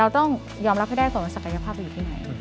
ต้องยอมรับให้ได้ก่อนว่าศักยภาพเราอยู่ที่ไหน